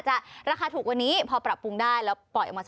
ใช้น้องนี่แหล่ะถ่ายให้